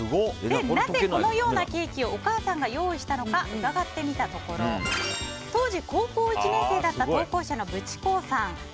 なぜこのようなケーキをお母さんが用意したのか伺ってみたところ当時、高校１年生だった投稿者のぶちこうさん